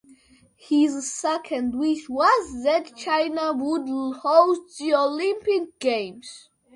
His second wish was that China would host the Olympic Games.